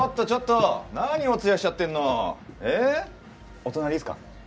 お隣いいっすか？